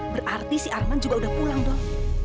berarti si arman juga udah pulang dong